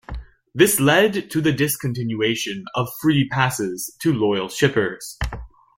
This led to the discontinuation of free passes to loyal shippers.